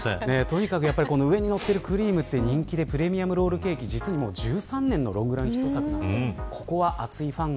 とにかく上にのっているクリームは人気でプレミアムロールケーキ、実に１３年のロングランヒット作です。